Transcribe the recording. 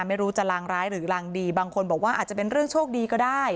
ไม่รู้จะลางร้ายหรือรางดีบางคนบอกว่าอาจจะเป็นเรื่องโชคดีก็ได้